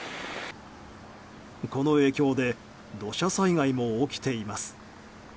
この影響で土砂災害も起きています。